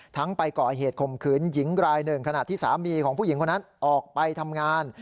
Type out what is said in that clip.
ไปก่อเหตุข่มขืนหญิงรายหนึ่งขณะที่สามีของผู้หญิงคนนั้นออกไปทำงาน